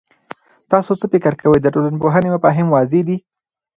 تاسو څه فکر کوئ، د ټولنپوهنې مفاهیم واضح دي؟